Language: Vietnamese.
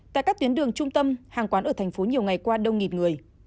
tại các tuyến đường trung tâm hàng quán ở thành phố nhiều ngày qua đông nghìn người